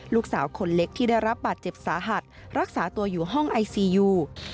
ลูกสาวคนเล็กที่ได้รับบาดเจ็บสาหัสรักษาตัวอยู่ห้องไอซียู